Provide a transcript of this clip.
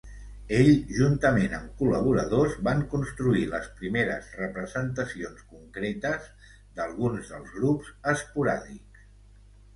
Ell, juntament amb col·laboradors, van construir les primeres representacions concretes d'alguns dels grups esporàdics.